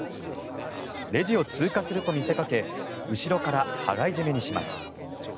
レジを通過すると見せかけ後ろから羽交い締めにします。